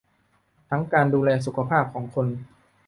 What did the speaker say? ทั้งการดูแลสุขภาพของคน